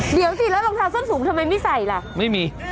เดี๋ยวสิแล้วรองเท้าส้นสูงทำไมไม่ใส่ล่ะไม่มี